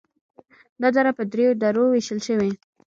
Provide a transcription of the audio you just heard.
دا دره بیا په دریو درو ویشل شوي: